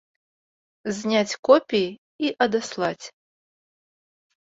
Зняць копіі і адаслаць.